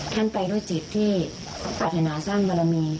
ท่านไปด้วยจิตที่ปรารถนาสร้างบารมี